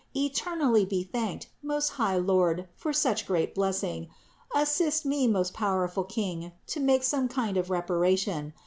Eternally be thanked, Most High Lord for such great blessing ! Assist me, most powerful King, to make some kind of reparation.